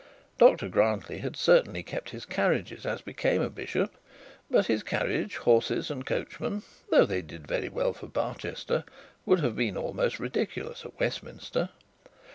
Dr Grantly had certainly kept his carriages, as became a bishop; but his carriage, horses, and coachmen, though they did very well for Barchester, would have been almost ridiculous at Westminster.